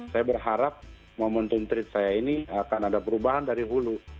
saya berharap momentum treat saya ini akan ada perubahan dari hulu